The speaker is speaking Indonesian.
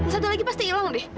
satu lagi pasti hilang deh